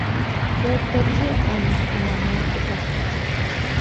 გვერდებზე კანის ღრმა ნაოჭი გასდევს.